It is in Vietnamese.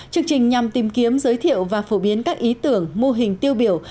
chương trình nhằm tìm kiếm giới thiệu và phổ biến các ý tưởng mô hình tiêu biểu